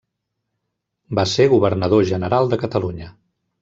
Va ser Governador General de Catalunya.